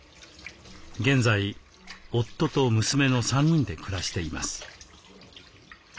現在夫と娘の３人で暮らしています。